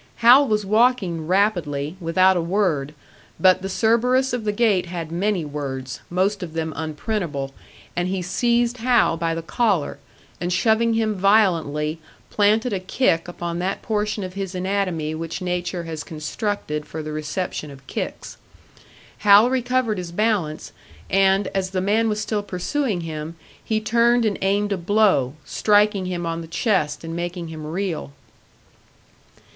Hal was walking rapidly, without a word; but the Cerberus of the gate had many words, most of them unprintable, and he seized Hal by the collar, and shoving him violently, planted a kick upon that portion of his anatomy which nature has constructed for the reception of kicks. Hal recovered his balance, and, as the man was still pursuing him, he turned and aimed a blow, striking him on the chest and making him reel.